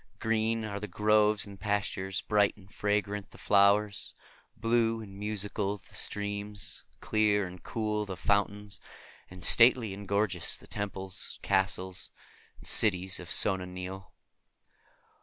Green are the groves and pastures, bright and fragrant the flowers, blue and musical the streams, clear and cool the fountains, and stately and gorgeous the temples, castles, and cities of Sona Nyl.